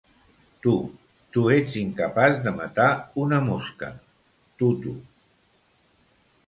Tu, tu ets incapaç de matar una mosca, Tutu.